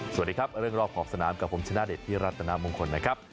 สวัสดีครับเรื่องรอบขอบสนามกับผมชนะเดชพิรัตนามงคลนะครับ